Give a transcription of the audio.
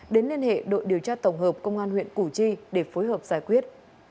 đến liên hệ đội điều tra tổng hợp công an huyện củ chi để phối hợp giải quyết